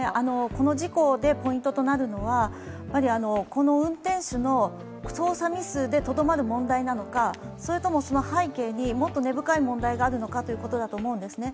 この事故で、ポイントとなるのはこの運転手の操作ミスでとどまる問題なのかそれともその背景にもっと根深い問題があるのかということだと思うんですね。